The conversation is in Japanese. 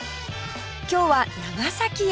今日は長崎へ